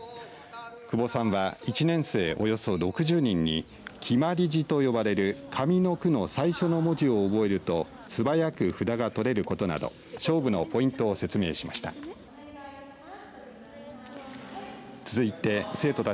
久保さんは１年生およそ６０人に決まり字と呼ばれる上の句の最初の文字を覚えると素早く札が取れることなど勝負のポイントを説明しました。